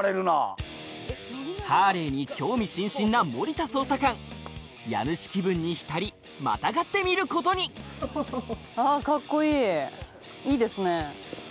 ハーレーに興味津々な森田捜査官家主気分に浸りまたがってみることにあぁカッコいいいいですね。